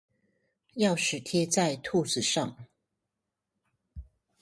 鑰匙貼在兔子上